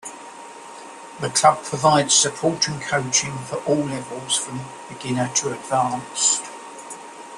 The club provides support and coaching for all levels from beginner to advanced.